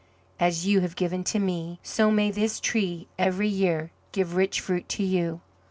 As you have given to Me, so may this tree every year give rich fruit to you."